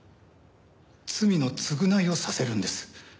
罪の償いをさせるんです。